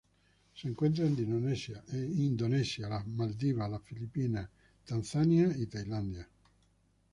Se encuentran en Indonesia las Maldivas, las Filipinas, Tanzania y Tailandia.